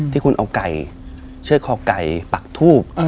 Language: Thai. ที่คุณเอาไก่เชือกคอไก่ปักทูบ